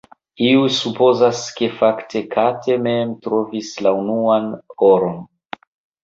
Iuj supozas, ke fakte Kate mem trovis la unuan oron.